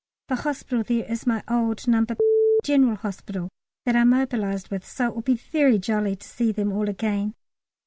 The hospital there is my old No. General Hospital, that I mobilised with, so it will be very jolly to see them all again.